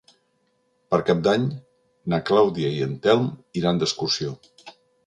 Per Cap d'Any na Clàudia i en Telm iran d'excursió.